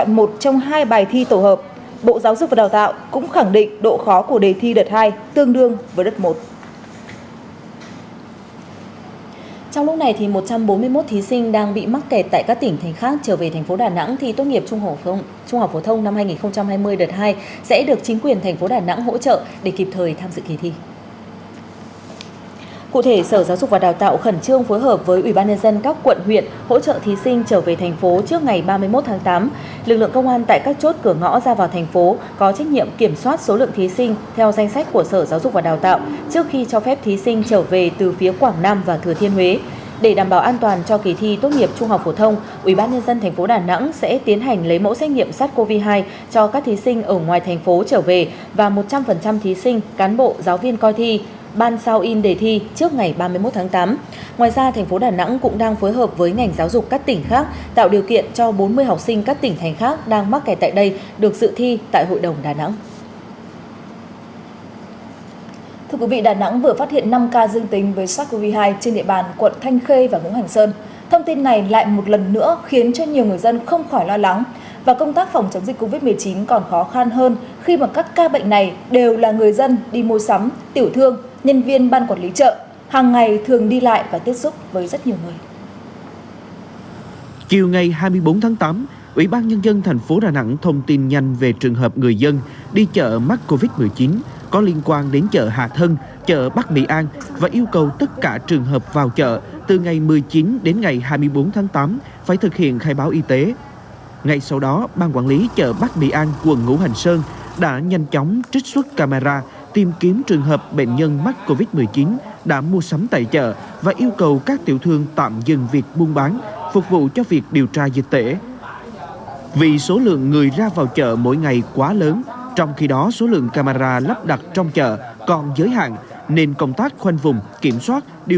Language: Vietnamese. trong thời gian ngắn từ việc xây dựng ý tưởng đến thiết kế nhóm đã chế tạo thành công chiếc máy để đưa vào vận hành tại khu điều hành trường đại học tây nguyên phục vụ cho công tác phòng chống dịch covid một mươi chín